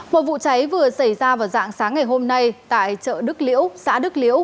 một vụ cháy vừa xảy ra vào dạng sáng ngày hôm nay tại chợ đức liễu xã đức liễu